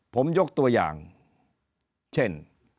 ผมยกตัวอย่างเช่น